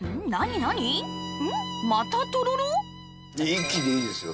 一気にいいですよ。